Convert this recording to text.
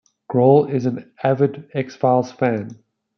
Grohl is an avid "X-Files" fan.